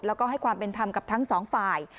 แล้วก็ให้ความเป็นธรรมกับทั้งสองฝ่าย